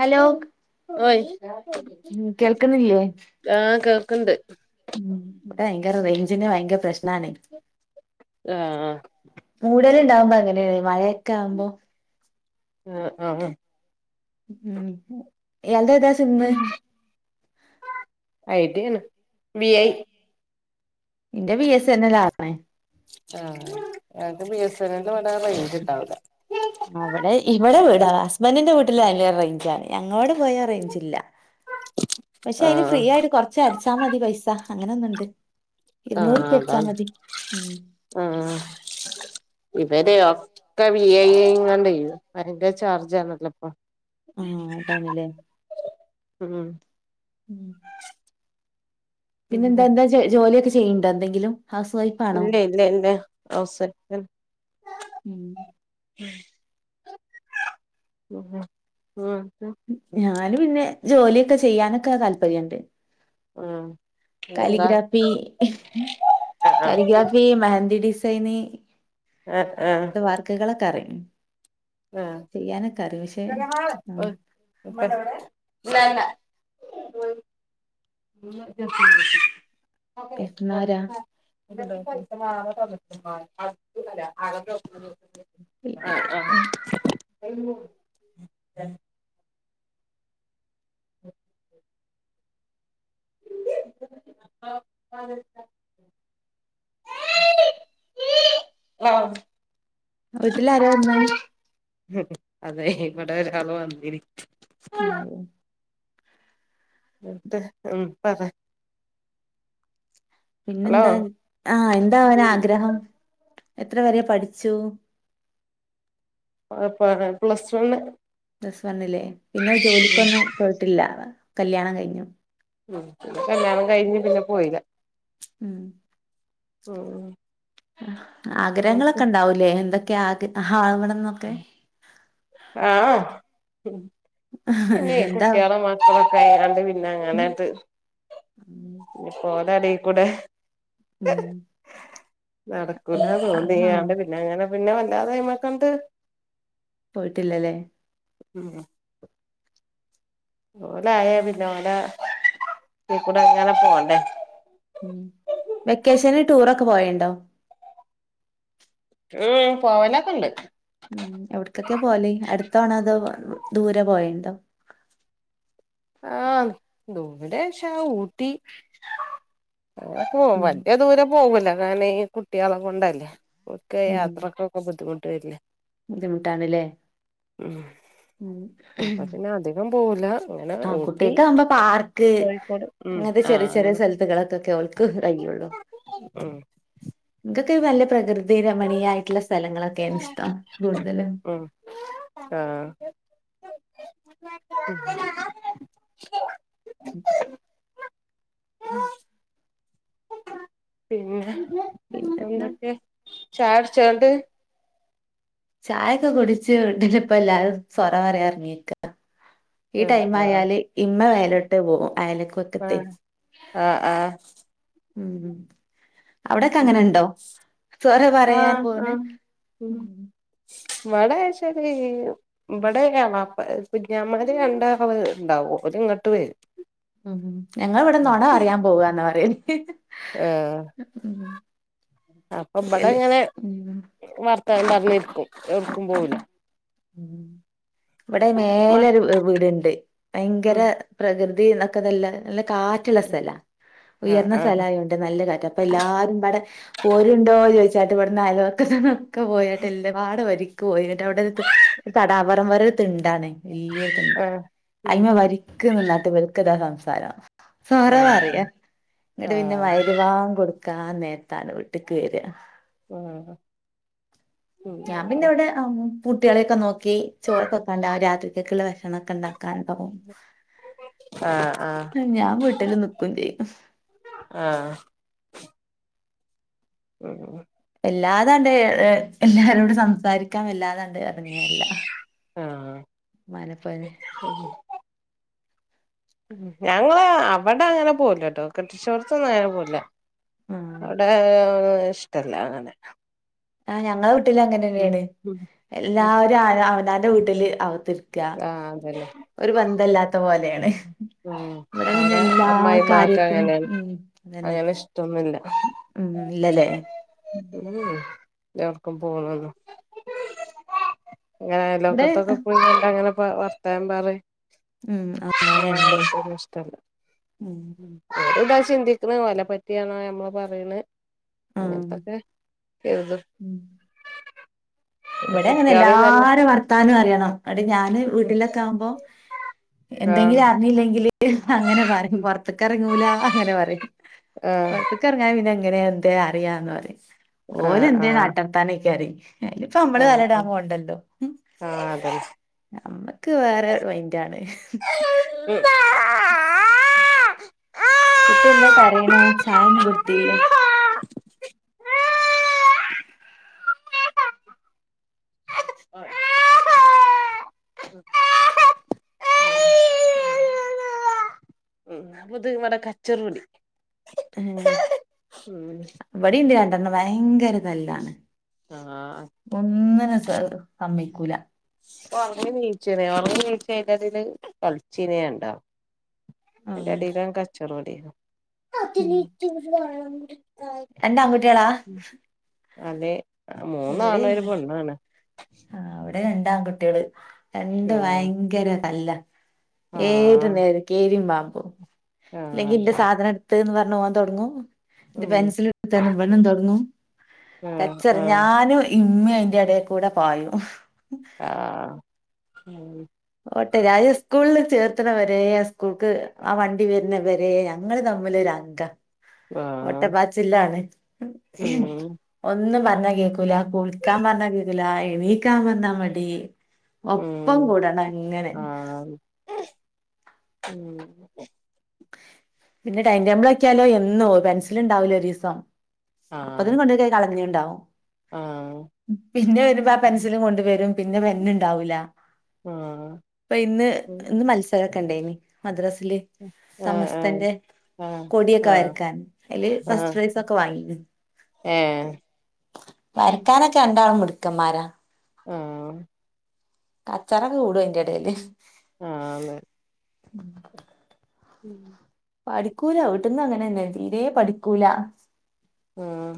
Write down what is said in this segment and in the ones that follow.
Hello ഓയ് കേൾക്കുന്നില്ലേ ആഹ് കേൾക്ക്ണ്ട് മ് ഇവടെ ഭയങ്കര റെയ്ഞ്ചിന്റെ ഭയങ്കരം പ്രശ്നാണ് ആഹ് മൂടല്ണ്ടാകുമ്പോ അങ്ങനേണ് മയൊക്കെ ആവുമ്പോ ആ ആ ഉം അത് ഏത സിമ്മ് [unintelligible] വി ഐ ന്റെ വി എസ് എന്നലാ ർഞ് ആ ഞങ്ങക്ക് ബി എസ് എൻ എൽ അവിടെ ഇവിടെ വീടാ ഹസ്ബന്റിന്റെ വീ ട്ടില് നല്ല റെയ്ഞ്ചാണ് ഞങ്ങളോടെ [unintelligible] റേഞ്ചില്ല പക്ഷെ അതിന് ആഹ് ഫ്രീ ആയിട്ട് കൊറച്ച് അടച്ചാ മതി പൈസ അങ്ങനൊന്നുണ്ട് ആ ഇരുന്നൂറുപ്യ അടിച്ചാ അതാണ് മതി ഉം ആ ഇവര് ഒക്കെ വി ഐ ആയിങ്ങാണ്ട് [unintelligible] ചാർജാണല്ലോ ഇപ്പൊ. ആ അതാണ്ല്ലേ ഉം ഉം. പിന്നെ എന്താ. എന്താ ജോലിയൊക്കെ ചെയ്യുന്നുണ്ടോ എന്തെങ്കിലും. ഹൗസ് വൈഫ് ആണോ ഇല്ല ഇല്ല ഇല്ല അവസ ഉം ഉ ഉം. ഞാന് പിന്നെ ജോലിയേക്ക ചെയ്യാൻ താൽപര്യംണ്ട്. ആഹ. കാലിഗ്രാഫി ഹ് ആഹ് കാലിഗ്രാഫി മെഹന്ദി ഡിസൈനി. ആഹ് [unintelligible] വർക്കുകൾ ഒക്കെ അറിയും. ആഹ. ചെയ്യാനൊക്കെ അറിയും പക്ഷെ ആഹ് ഓയി ല്ല. ല്ല. [unintelligible] പിന്നാരാ നേക്കലെ [unintelligible] ആഹ് മ് [unintelligible] ഉ. [unintelligible] [unintelligible] വീട്ടിൽ ആരാവന്നത്. അതെ. ഇവിടെ ഒരാൾ വന്നിരി. ഉം. എന്നട്ട്. ഉം പറ. ഹലോ പിന്നെന്താ? ആഹ എന്താ അവന ആഗ്രഹം. എത്ര വരെ പഠിച്ചു? [unintelligible] പ്ലസ് വണ്ണ് പ്ലസ് വണ്ലെ പിന്നെ ജോമ്പ്ക്ക് ഒന്നും പോയിട്ടില്ല? കല്യാണംകഴിഞ്ഞു. ഉ കല്യാണം കഴിഞ്ഞ് പിന്നെ പോയില്ല. ഉം ഹ് ആഗ്രഹങ്ങളൊക്കെ ഉണ്ടാവൂലേ. എന്തൊക്കെയ ആവ ആഹ. ഉ പിന്നെ എന്താ കുട്ടികള മക്കളൊക്കെ ആയണ്ട് പിന്നെ ഉം അങ്ങനൊട്ട്. ഇ പോലടി കൂടെ ഉം നടക്കൂല ഉം ആഹ് തോന്നിയാണ്ട് പിന്നെ അങ്ങനെ പിന്നെ വല്ലാതെമിക്കണ്ട് പോയിട്ടില്ലല്ലേ ഉം ഓലയാ പിന്നെ ഓല കൂടെ ഇങ്ങനെ പോവണ്ടേ ഉ വെക്കേഷന് ടൂറൊക്കെ പോയണ്ടോ ഉം പോവാനൊക്കെ ഉണ്ട് ഉം എവിടക്കൊക്കെ പോവല് അടുത്താണോ അതോ ദൂരെ പോയണ്ടോ ആ ദൂരെ വച്ചാ ഊട്ടി അ പോ ഉം വലിയ ദൂരം പോകല കാരണം ഈ കുട്ടികളെ കൊണ്ടല്ലേ ഒക്കെ ഉം യാത്രക്കൊക്കെ ബുദ്ധിമുട്ട് വരില്ലേ ബുദ്ധിമുട്ടാണ്ല്ലേ ഉം ഉം അപ്പൊ പിന്നെ അധികം പോവൂല അങ്ങനെ ആ ഊട്ടി കുട്ടികൾക്കാകുമ്പോ പാർക്ക് കോഴിക്കോട് ഉം അങ്ങനത്തെ ആഹ് ചെറിയ ചെറിയ അങ്ങനെ സ്ഥലത്തുകളൊക്കെ ഒക്കെ അവർക്ക് കഴിയും ഉം ഇതൊക്കെ നല്ല പ്രകൃതി രമണീയായിട്ടുള്ള സ്ഥ സ്ഥലങ്ങളൊക്കെയാണ് ഇഷ്ടം കൂടുതല് ഉം ആഹ് [unintelligible] ഉം പിന്നെ പിന്നെ എന്താ എന്തൊക്കെ ചായ കുടിച്ചോണ്ട് ചായൊക്കെ കുടിച്ച് കൊണ്ടിരുന്നപ്പോ എല്ലാരും സ്വരം പറയാൻ ഇറങ്ങിക്ക ഈ ആഹ് ടൈം ആഹ് ആയാല് ഇമ്മ മേലോട്ട് പോകും അയൽവക്കത്ത് ആ ആ ഉം അവിടെയൊക്കെ അങ്ങനെണ്ടോ സൊറ പറയാൻ ആഹ് പോകുന്നേ ഇവിടെ ശെരി ഇവിടെ കുഞ്ഞന്മാര് കണ്ട ഉണ്ടാവോ ഇങ്ങട്ട് വരും ഞങ്ങൾ ഇവിടെ ഉം നുണ പറയാൻ പോവാന്ന് പറയും ഏഹ് അപ്പൊ ഇവിടെ അങ്ങനെ ഉം വർത്തമാനം പറഞ്ഞിരിക്കും ഇരിക്കും എങ്ങും പോവല ഉം ഇവിടെ മ മേലരു വീടുണ്ട് ഭയങ്കര ഉം പ്രകൃതി എന്നൊക്കെ നല്ല കാറ്റുള്ള സ്ഥലാ ആഹ് ഉയർന്ന ആഹ് സ്ഥലമായത് ഉണ്ട് നല്ലതാ അപ്പൊ എല്ലാരും ഇവിടെ പോരുണ്ടോ ചോദിച്ച ചാട്ട്വിട [unintelligible] അയൽവക്ക [unintelligible] ഒക്കെ പോയിട്ട് എടടെ ഒരുരിക്ക് [unintelligible] പോയിട്ട് അവിടടുത്ത് തടാപറം വരെ ഇതിണ്ടാണ് വലിയടത്തണ്ട് ആഹ് ഉം അയിമ വരിക്ക നിന്നായിട്ട് വെൽക്കതാ സംസാരം സോറ ആഹ് പറയാ എന്നിട്ട് പിന്നെ ആഹ് മരുവാ കൊടു കാ നേരത്താണ് വീട്ടിക്ക് വരിക ഉം ഞാൻ പിന്നെ ഇവിടെ കുട്ടികളെയൊക്കെ നോക്കി ചോറ് വെയ്കണ്ടാ രാത്രിക്കൊക്കെയുള്ള കണക്ക് ഉണ്ടാക്കാൻ പോകും ആഹ് ആഹ് ഞാൻ വീട്ടില് നിക്കുകയും ചെയ്യും ആഹ് ആ അല്ലാതാണ്ട് എല്ലാരോടും സംസാരിക്കാൻ വല്ലാത അത് അറിഞ്ഞല്ല ആഹ് മനപ്പനെ ഉം ഞങ്ങള് അവിടെ അങ്ങനെ പോകുലാട്ടോ കെട്ടിച്ചോടത്തൊന്നും അങ്ങനെ പോകൂല ഉം. അവിടെ ഇഷ്ടല്ല അങ്ങനെ ആ ഞങ്ങളെ വീട്ടിൽ അങ്ങനെ ഉം തന്നെയാണ് ഉം ഉം എല്ലാവരും അവനാന്റെ വീട്ടിൽ അകത്ത് ആഹ് അതന്നെ [unintelligible] ഒരു ബന്ധമില്ലാത്ത പോലെയാണ് ഉം ഇവിടെ പിന്നെ അവിടെ എല്ലാ അമ്മായിമ്മാക്ക് കാര്യത്തിനും അങ്ങനെയാണ് ഉം അന്നെ അങ്ങനെ ഇഷ്ടൊന്നുല്ല ഉം ഇല്ലല്ലേ ഉം എർക്കും പോണു അങ്ങനെ ഇവിടെ ലോക്കത്തൊക്കെ പോയിങ്ങനെ വർത്താൻ പറയാൻ ഉം അ ആ ഇഷ്ടല്ലതാ ഉം [unintelligible] ചിന്തി ഇത്ര വലപ്പറ്റിയാണ് നമ്മള് പറയണ് ഉം അങ്ങനത്തൊക്കെ ചെയത് ഉം. ഇവിടെ അങ്ങനെ എല്ലാരും വർത്താനം അറിയണം അടെ ഞാൻ വീട്ടിലൊക്കെ ആവുമ്പോ ആഹ് എന്തെങ്കിലും അറിഞ്ഞില്ലെങ്കിൽ അങ്ങനെ പറയും ഉം പുറത്തക്ക ഇറങ്ങൂല അങ്ങനെ പറയും ആഹ് പുറത്തക്ക ഇറങ്ങാൻ പിന്നെ അങ്ങനെ എന്തേ അറിയാന്ന് പറ ഓലെ ആഹ് എന്ത ആഹ് നാട്ട നടത്താനൊക്കെ അറി ഇപ്പൊ നമ്മള് ആഹ് തലൈടാൻ ഉണ്ടല്ലോമ്മ ആഹ് അതന്നെ വേറെ മൈൻഡ് ആണ് ആ കുട്ടി എന്താ കരയണ ചായന്ന് വൃത്തിയില്ലേ അത് ഇവിടെ കച്ചറ കൂടി ഉം ഉം ഇവിടെ ഇണ്ട് രണ്ടെണ്ണം ഭയങ്കര നല്ലാണ് ആഹ് ഒന്നിന സമ്മിക്കൂല ഉറങ്ങു നീഴച്ചനേ ഉറങ്ങ നീഴച്ചൽ അതില് പളിച്ചീനേ ഉണ്ട ഉം. എന്റെ അടില്ലാം കച്ചോറും അടി ഉം. രണ്ട് ആൺകുട്ടികളാ അതെ മൂന്നു ഇവിടെ ആണ്ണും ഒരു പെണ്ണാണ് രണ്ടാംകുട്ടികള് രണ്ട് ആഹ് ഭയങ്കര തല്ല് ഏത് ആഹ് നേരും കീരിൻ പാമ്പും ഇല്ലെങ്കി ഇന്റെ ആഹ് സാധനം എടുത്ത്ന്ന് പറഞ്ഞ് ഓൻ തൊടങ്ങും എന്റെ ഉം പെൻസിൽ എടുത്ത് എന്ന് പറഞ്ഞ് ഇവനും തൊടങ്ങും ആഹ് ആഹ് വൽച്ചെറിഞ്ഞാലും ഇമ്മ അയിന്റെ ഇടൽക്കൂടെ പായും ആ ഓട്ടെ രാവിലെ സ്കൂളിൽ ചേർത്തണവരെ ആ സ്കൂൾക്ക് ആ വണ്ടി വരുന്നവരെ ഞങ്ങള് തമ്മിലൊര അംഗ ആഹ് ഓട്ടപ്പാച്ചില്ലാണ് ഉം ഒന്ന് പറഞ്ഞ കേക്കൂല കുളിക്കാൻ പറഞ്ഞ കേൾക്കൂല എണീക്കാൻ പറഞ്ഞ മടി ഒപ്പം ഉം കൂടണം അങ്ങനെ ആഹ് ഉം പിന്നെ ടൈം ടേബിൾ ആക്കിയാലോ എന്നോ പെൻസില് ഉണ്ടാവലോ ദിവസം അപ്പൊ തന്നെ ആഹ് കൊണ്ടോയി കളങ്ങനിണ്ടാവും ആഹ് പിന്നെ വരുമ്പ ആ പെൻസിലും കൊണ്ട് വരും പിന്നെ പെന്നുണ്ടാവൂല ആഹ് ഇപ്പൊ ഇന്ന് ഇന്ന് മത്സരമൊക്കെ ഉണ്ടായിനി മദ്രാസ് ആഹ് ആഹ് സമസ്തന്റെ ആഹ് കൊടിയൊക്കെ ആഹ് വരക്കാൻ അതില് ഫസ്റ്റ് പ്രൈസ് ഒക്കെ വാങ്ങി ഏ വരക്കാനൊക്കെ രണ്ടാളും മുടുക്കന്മാരാ ആ കച്ചറൊക്കെ കൂടും അതിന്റെ ഇടയില് ആ ന്ന് [unintelligible] ഉം പഠിക്കൂല വീട്ടിന്ന് അങ്ങനെന്നെ തീരെ പഠിക്കൂല ഉം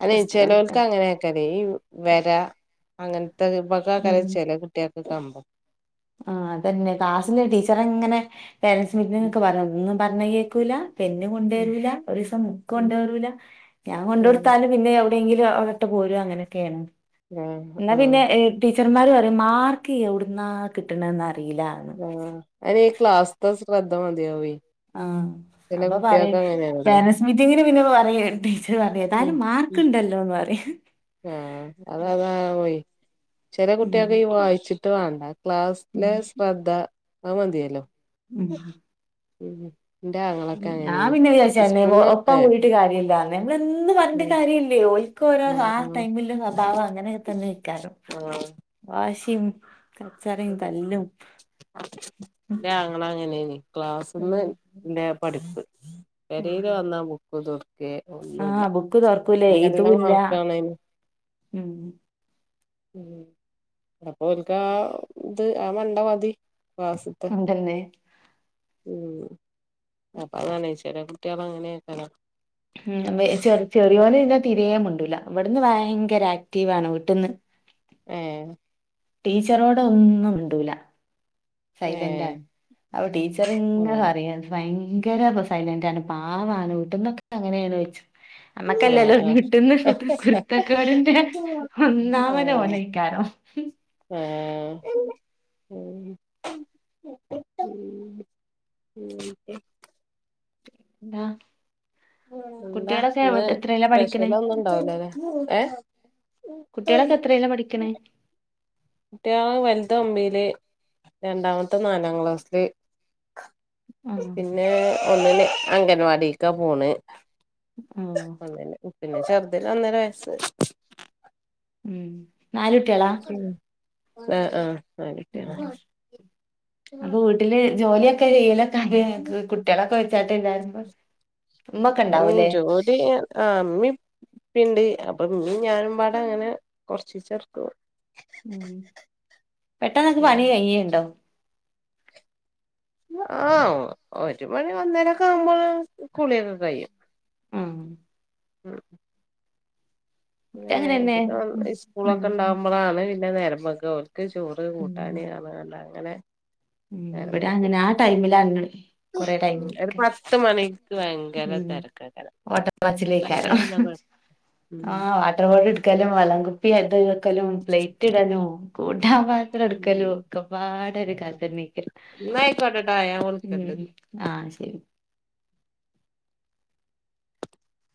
അല്ല ഫസ്റ്റ് ചെലോൽക്ക് അങ്ങനെയൊക്കല്ലേ ഈ വര അങ്ങനെ കരച്ചല്ലേ കുട്ട്യാർക്ക് കമ്പം ആ അതന്നെ ക്ലാസ്സിന്റെ ടീച്ചർ എങ്ങനെ പേരൻറ്സ് മീറ്റിംഗൊക്കെ പറയും പർണെ കേക്കൂല പെന്ത് കൊണ്ട് ഉം വരൂല ഒരു ദിവസം ബു ക്ക് ഉം കൊണ്ട് വരൂല്ല ഞാൻ കൊണ്ട് ഉം കൊടുത്താലും പിന്നെ അവി പോരും അങ്ങനൊക്കെ ആഹ് എന്ന ആഹ് പിന്നെ ടീച്ചർറന്മാർ പറയും മാർക്ക് അവിടുന്ന് കിട്ടണെന്ന ആഹ് അ ക്ലാസ് ത ശ്രദ്ധ മതിയാവും ആ അപ്പൊ പറയ അങ്ങനെയാണല്ലോ പാരൻറ്സ് മീറ്റിങ്ങിന് പിന്നെ പറയാ ഉം പറതായാലും മാർക്ക്ണ്ടല്ലോന്ന് പറയാ ചെല കുട്ടിയൊക്കെ ഈ വായിച്ചിട്ട് വേണ്ട ഉം ക്ലാസ്സിലെ ശ്രദ്ധ അ മതിയല്ലോ ഉം ഉം എന്റെ അങ്ങളൊക്കെ ഞാൻ അങ്ങനെയാണ് പിന്നെ ഏ അന്ന് പറണ്ട കാര്യമ ഇല്ലേ ഒരിക്ക ഓരോ ആ ആഹ് ടൈമില സ്വഭാവം അങ്ങനെയൊക്കെ തന്നെ യ്‌ക്കാരം ആഹ് ആഹ് വാശിയും കച്ചറയും തല്ലും ഉം. ക്ലാസ്സിന്ന് പഠിപ്പ് ഉം. വെരയില് വന്നാ ബുക്ക് തർ ആ ഒന്നുമല്ല ബുക്ക് തുറക്കൂലേ നല്ല ഇതുമില്ല മാർക്കണന് ഉം. ഉ അട പോക്ക ആ ഇത് ആ മണ്ട മതി ക്ലാസ്സ്ത്തെ അതെന്നെ ഉം അപ്പാ തന്നെ ചില കുട്ട്യാളങ്ങനെ അങ്ങനെക്ക ഉ ചെ ചെറിയോല ട്ടൂല ഇവിടുന്ന് ഭയങ്കര ആക്ടീവ് ആണ് വീട്ടന്ന് ഏ ടീച്ചറോട ഒന്നും മിണ്ടൂല ഏ സൈലന്റാണ് അപ്പൊ ടീച്ചർ ആ അറിയ ഭയര സൈലന്റാണ് പാവാണ് വട്ടന്നൊക്കെ അങ്ങനെയാണ് വെച്ച ആ നമ്മുക്കല്ലല്ലോ ആ കിട്ടുന്ന കുരുത്തക്കാടിന്റെ ആ ഒന്നാമന ഓനയിക്ക [unintelligible] ആ ഉ ഉ എന്താ എന്താ കുട്ടികളൊക്കെ എവ് ഇന്ന് എത്രേലാ പഠിക്കണേ സ്പെഷ്യല ഒന്നും ഇണ്ടാവലല്ലെ ഏ കുട്ടികളൊക്കെ എത്രയല്ല പഠിക്കണേ കുട്ടിയ വലുത് ഒമ്പയില് രണ്ടാമത്തെ നാലാം ക്ലാസില് ആഹ് പിന്നെ ഒന്നന് അംഗൻവാടീക്കെ പോണ് ഓഹ് ഒന്നിന് ചെറുതിന് ഒന്നര വയസ് ഉം നാലുട്ടിളാ ആ ആ നാല് കുട്ടികളാ അപ്പൊ വീട്ടില് ജോലിയൊക്കെ ചെയ്യല് കുട്ടികളൊക്കെ വെച്ചാട്ട ഇല്ലരുപോ ഉം ജോലി ആ അമ്മിപ്പിണ്ട് അപ്പൊ ഇീ ഞാനുംമ്പാട അങ്ങനെ കൊറച്ച് ചേർക്കു ഉ പെട്ടെന്നക്കെ പനികഴിയണ്ടോ ആ ഒരു മണി വന്നേരൊക്കെ ആവുമ്പോൾ കുളിയൊക്കെ കഴിയും ആ ഉം ഇവിടെ അങ്ങനെന്നെ ഉം സ്കൂളൊക്കെ ഉം ഉണ്ടാവുമ്പോഴാണ് പിന്നെ നേരമ്പക്കെ ക്ക് ചോറ് കൂട്ടാന് അണണ്ട അങ്ങനെ ഉ നേരം ഇവിടെ വെളുക്കും അങ്ങനെ ആ ടൈമിലണ് കൊറേ ഉം ടൈമക്ക ഒരു പത്ത് മണിക്ക് ഭയങ്കര ഉം തിരക്കേക്കാരം കഴിഞ്ഞാ ഓട്ടപ്പാച്ചിലേക്കാരും പിന്നെ കൊഴ ഉം ആഹ് വാട്ടർ ബോട്ടിലെടുക്കലും വെള്ളങ്കുപ്പി എക്കലും പ്ലേറ്റ് ഇടലും പത്രം എടുക്കല്ലോ ഉം ഒക്കെ പാട് ഒരു ആഹ് കാൽതന്നെ നീക്ക ന്നാ ആയിക്കോട്ടെട്ടോ ഞാൻ ഉം വിളിക്കണ്ട് ആഹ് ശരി